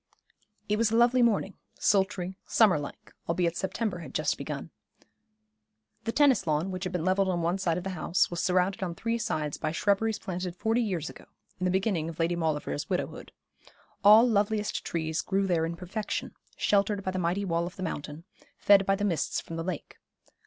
It was a lovely morning, sultry, summer like, albeit September had just begun. The tennis lawn, which had been levelled on one side of the house, was surrounded on three sides by shrubberies planted forty years ago, in the beginning of Lady Maulevrier's widowhood. All loveliest trees grew there in perfection, sheltered by the mighty wall of the mountain, fed by the mists from the lake.